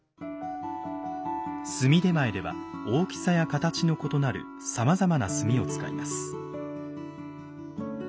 炭点前では大きさや形の異なるさまざまな炭を使います。